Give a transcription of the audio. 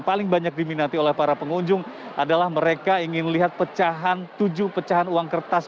paling banyak diminati oleh para pengunjung adalah mereka ingin melihat pecahan tujuh pecahan uang kertas